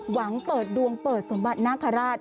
หวังเปิดดวงเปิดสมบัตินาคาราช